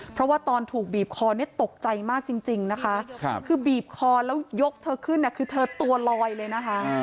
เพราะว่าตอนถูกบีบคอเนี่ยตกใจมากจริงนะคะคือบีบคอแล้วยกเธอขึ้นคือเธอตัวลอยเลยนะคะ